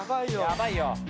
やばいよ。